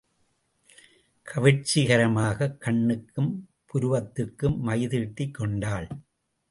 கவர்ச்சிகரமாகக் கண்ணுக்கும் புருவத்துக்கும் மைதீட்டிக் கொண்டாள்.